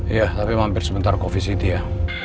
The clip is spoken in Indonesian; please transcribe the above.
iya tapi hampir sebentar coffee city ya